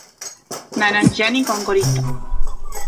nanachiani qonqoriyta